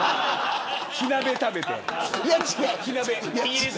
火鍋食べて。